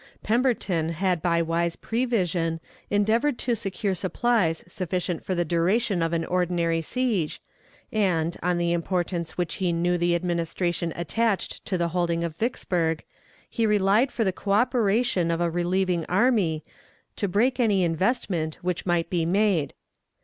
Pemberton had by wise prevision endeavored to secure supplies sufficient for the duration of an ordinary siege, and, on the importance which he knew the Administration attached to the holding of Vicksburg, he relied for the coöperation of a relieving army to break any investment which might be made.